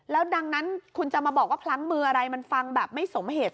ดังนั้นคุณจะมาบอกว่าพลั้งมืออะไรมันฟังแบบไม่สมเหตุ